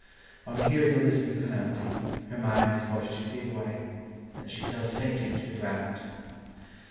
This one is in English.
On hearing of this new calamity, Hermione's fortitude gave way, and she fell fainting to the ground.